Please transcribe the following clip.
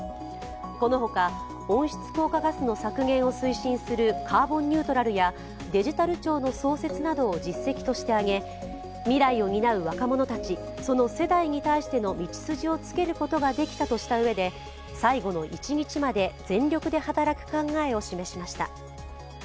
この他、温室効果ガスの削減を推進するカーボンニュートラルやデジタル庁の創設などを実績として挙げ、未来を担う若者たち、その世代に対しての道筋をつけることができたとしたうえで、最後の一日まで全力で働く考えを示しました。